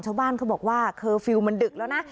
ชาวบ้านเขาบอกว่าเคอร์ฟิลล์มันดึกแล้วนะ